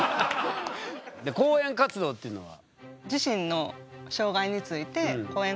「講演活動」っていうのは？